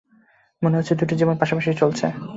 মনে হচ্ছে দুটো জীবন পাশাপাশি চলছে।